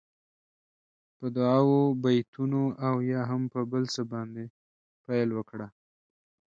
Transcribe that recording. په دعاوو، بېتونو او یا هم په بل څه باندې پیل وکړه.